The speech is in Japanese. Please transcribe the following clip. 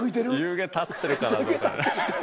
湯気立ってるかな。